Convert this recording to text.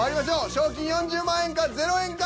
賞金４０万円かゼロ円か！？